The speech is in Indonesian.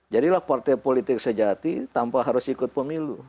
jadilah partai politik sejati tanpa harus ikut pemilu